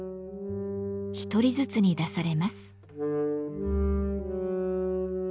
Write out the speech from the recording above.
１人ずつに出されます。